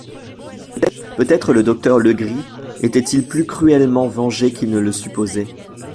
Peut-être le docteur Legris était-il plus cruellement vengé qu'il ne le supposait.